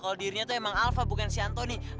kalo dirinya tuh emang alva bukan si antoni